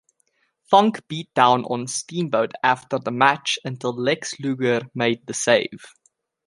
Funk beat down on Steamboat after the match until Lex Luger made the save.